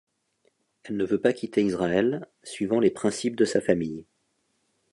Elle ne veut pas quitter Israël, suivant les principes de sa famille.